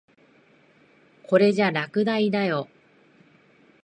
これじゃ落第だよ。